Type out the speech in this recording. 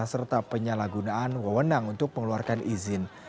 serta penyalahgunaan wewenang untuk mengeluarkan izin